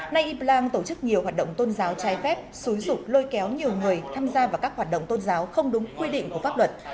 nay y blan tổ chức nhiều hoạt động tôn giáo trái phép xúi dục lôi kéo nhiều người tham gia vào các hoạt động tôn giáo không đúng quy định của pháp luật